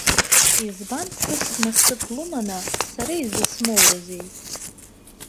Избан ԥҳәыск насыԥ лыманы, сара изысмоурызеи?